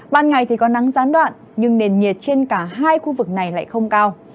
ban ngày thì có nắng gián đoạn nhưng nền nhiệt trên cả hai khu vực này lại không cao